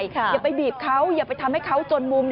อย่าไปบีบเขาอย่าไปทำให้เขาจนมุม